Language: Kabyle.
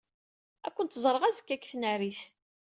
Ad kent-ẓreɣ azekka deg tnarit.